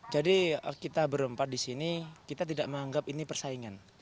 jadi kita berempat di sini kita tidak menganggap ini persaingan